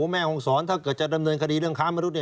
แม่ห้องศรถ้าเกิดจะดำเนินคดีเรื่องค้ามนุษย